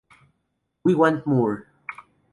We Want Moore!